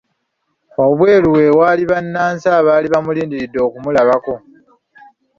Wabweru we waali bannansi abaali bamulindiridde okumulabako.